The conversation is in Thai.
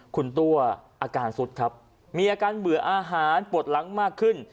คุณตัวอาการสุดครับมีอาการเบื่ออาหารปวดหลังมากขึ้น